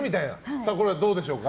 さあ、これはどうでしょうか。